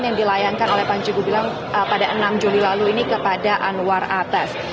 yang dilayangkan oleh panji gumilang pada enam juli lalu ini kepada anwar atas